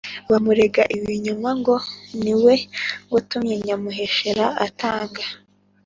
bamurega ibinyoma ngo ni we watumye nyamuheshera atanga